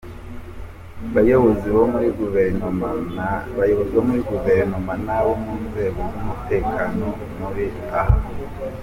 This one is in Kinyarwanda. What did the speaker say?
Bayobozi bo muri Guverinoma n’ abo mu nzego z’umutekano muri aha,.